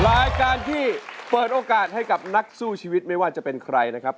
รายการที่เปิดโอกาสให้กับนักสู้ชีวิตไม่ว่าจะเป็นใครนะครับ